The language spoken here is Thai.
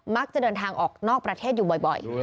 จะเดินทางออกนอกประเทศอยู่บ่อย